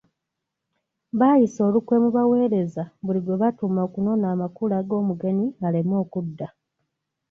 Baayisa olukwe mu baweereza buli gwe batuma okunona amakula g'omugenyi aleme okudda.